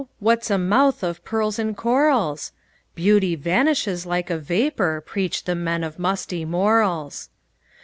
What 's a mouth of pearls and corals? Beauty vanishes like a vapor, Preach the men of musty morals!